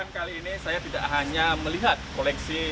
kali ini saya tidak hanya melihat koleksi